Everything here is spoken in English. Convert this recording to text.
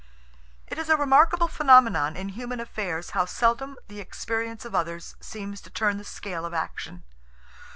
"It is a remarkable phenomenon in human affairs how seldom the experience of others seems to turn the scale of action.